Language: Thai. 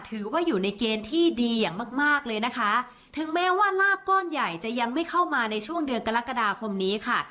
ถือว่าอยู่ในเกณฑ์ที่ดีอย่างมากมากเลยนะคะถึงแม้ว่าลาบก้อนใหญ่จะยังไม่เข้ามาในช่วงเดือนกรกฎาคมนี้ค่ะ